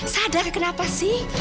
sadar kenapa sih